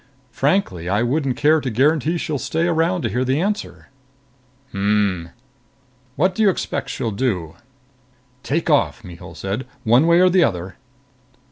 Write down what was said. Frankly, I wouldn't care to guarantee she'll stay around to hear the answer." "Hm.... What do you expect she'll do?" "Take off," Mihul said. "One way or the other."